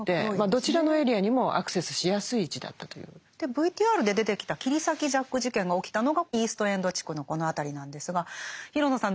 ＶＴＲで出てきた切り裂きジャック事件が起きたのがイースト・エンド地区のこの辺りなんですが廣野さん